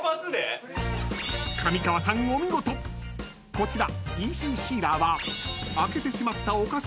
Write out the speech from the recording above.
［こちら］